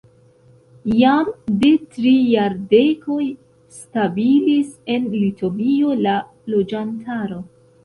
Jam de tri jardekoj stabilis en Litovio la loĝantaro.